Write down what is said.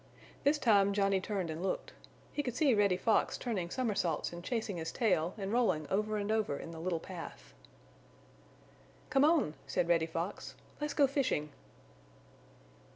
This time Johnny turned and looked. He could see Reddy Fox turning somersaults and chasing his tail and rolling over and over in the little path. "Come on!" said Reddy Fox. "Let's go fishing!"